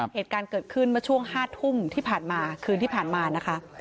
เหตุการณ์เกิดขึ้นเมื่อช่วง๕ทุ่มที่ผ่านมาคืนที่ผ่านมานะคะ